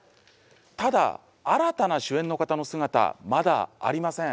ただ新たな主演の方の姿まだありません。